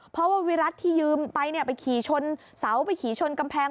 เพราะว่าวิรัติที่ยืมไปไปขี่ชนเสาไปขี่ชนกำแพง